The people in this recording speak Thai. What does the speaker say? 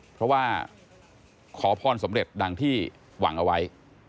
เพราะว่าขอพรสำเร็จดังที่หวังเอาไว้